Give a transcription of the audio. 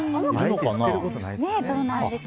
どうなんですかね。